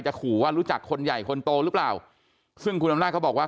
ขู่ว่ารู้จักคนใหญ่คนโตหรือเปล่าซึ่งคุณอำนาจเขาบอกว่า